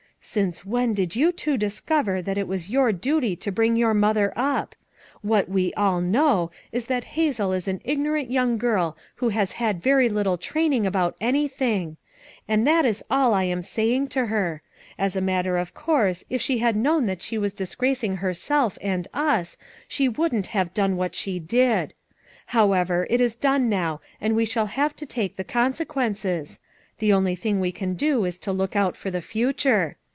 "Since when did you two discover that it was your duty to bring your mother up ? What 'we all know 5 is that Hazel is an ignorant young girl who has had very little training about anything; and that is all I am saying to her. As a matter of course if she had known that she was disgracing herself and us, she wouldn't have done what she did. However, it is done now and we shall have to take the consequences; the only thing we can do is to look out for the future.